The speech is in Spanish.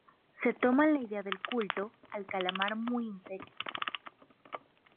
Se toman la idea del culto al calamar muy en serio.